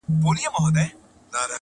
د ريښې په توګه ښيي دلته ښکاره،